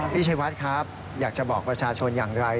ชัยวัดครับอยากจะบอกประชาชนอย่างไร